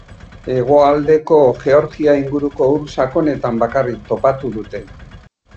Hegoaldeko Georgia inguruko ur sakonetan bakarrik topatu dute.